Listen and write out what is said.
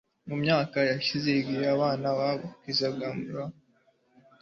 mu myaka yashize, igihe abana ba hakizimana bari bato